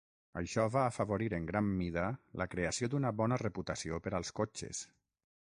Això va afavorir en gran mida la creació d"una bona reputació per als cotxes.